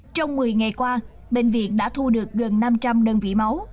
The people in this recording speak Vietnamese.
trong một mươi ngày qua bệnh viện đã thu được gần năm trăm linh đơn vị máu